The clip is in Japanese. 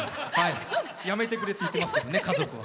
やめてくれって言ってますけどね、家族は。